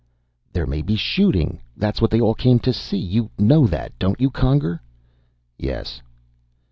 "There may be shooting. That's what they all came to see. You know that don't you, Conger?" "Yes."